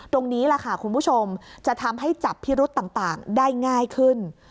ตรงนี้แหละค่ะคุณผู้ชมจะทำให้จับพิรุษต่างได้ง่ายขึ้น